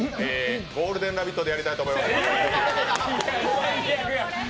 「ゴールデンラヴィット！」でやりたいと思います。